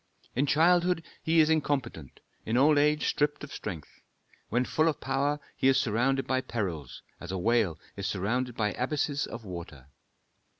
In childhood he is incompetent, in old age stripped of strength. When full of power, he is surrounded by perils, as a whale is surrounded by abysses of water.